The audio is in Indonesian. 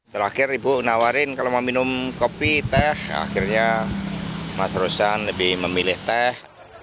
terakhir ibu nawarin kalau mau minum kopi teh akhirnya mas rosan lebih memilih teh